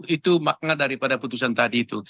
itu makna daripada putusan tadi itu